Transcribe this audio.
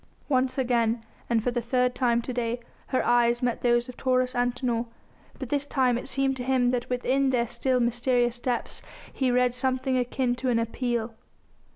Once again, and for the third time to day, her eyes met those of Taurus Antinor, but this time it seemed to him that within their still mysterious depths he read something akin to an appeal.